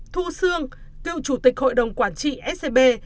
thu sương cựu chủ tịch hội đồng quản trị scb